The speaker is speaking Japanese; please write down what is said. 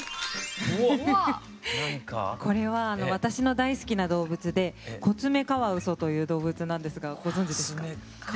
これは私の大好きな動物でコツメカワウソという動物なんですがご存じですか？